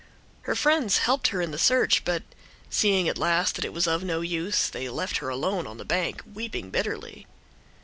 Her friends helped her in the search, but, seeing at last that it was of no use, they left her alone on the bank, weeping bitterly.